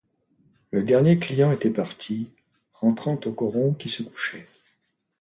Le dernier client était parti, rentrant au coron qui se couchait.